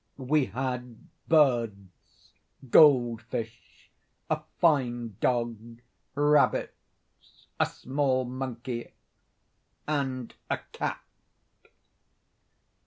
We had birds, gold fish, a fine dog, rabbits, a small monkey, and a cat.